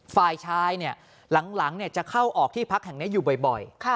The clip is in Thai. ฝ่ายชายเนี่ยหลังจะเข้าออกที่พักแห่งนี้อยู่บ่อย